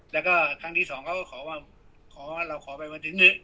แล้วก็ทางที่สองเขาก็ขอว่าขอว่าเราขอไปวันที่หนึ่ง